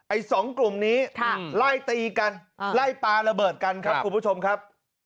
สองกลุ่มนี้ไล่ตีกันไล่ปลาระเบิดกันครับคุณผู้ชมครับ